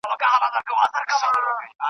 زه به څنګه د پېغلوټو د پېزوان کیسه کومه .